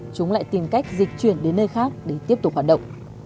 chúng lại tìm cách dịch chuyển đến nơi khác để tiếp tục hoạt động